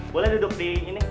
boleh duduk di panggungnya